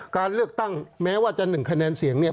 การเลือกตั้งแม้ว่าจะ๑คะแนนเสียงเนี่ย